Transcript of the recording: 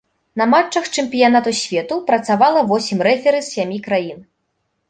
На матчах чэмпіянату свету працавала восем рэферы з сямі краін.